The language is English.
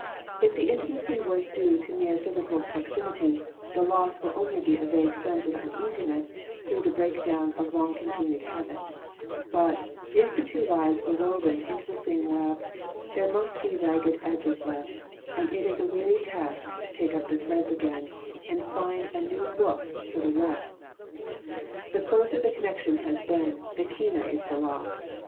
If the intimacy was due to mere physical prox 112 Digitized by VjOOQIC THE ECLIPSE OF FRIENDSHIP Imity, the loss will be only a vague sense of uneasiness through the breakdown of long continued habit; but, if the two lives were woven into the same web, there must be ragged edges left, and it is a weary task to take up the threads again, and find a new woof for the warp. The closer the connection has been, the keener is the loss.